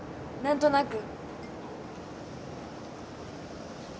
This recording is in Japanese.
何となく。